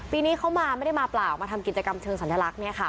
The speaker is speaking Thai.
ปีนี้เขามาไม่ได้มาเปล่ามาทำกิจกรรมเชิงสัญลักษณ์